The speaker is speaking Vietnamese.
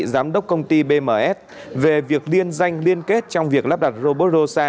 giám đốc công ty bms về việc liên danh liên kết trong việc lắp đặt robot rosa